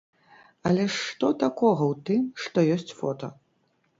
Але ж што такога ў тым, што ёсць фота?